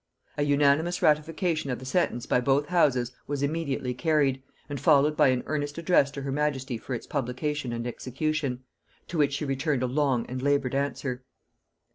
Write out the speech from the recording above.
An unanimous ratification of the sentence by both houses was immediately carried, and followed by an earnest address to her majesty for its publication and execution; to which she returned a long and labored answer.